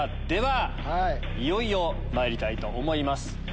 ではいよいよまいりたいと思います。